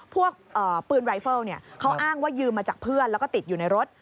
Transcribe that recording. พวกปืนไวเฟิลเขาอ้างว่ายืมมาจากเพื่อนแล้วก็ติดอยู่ในรถ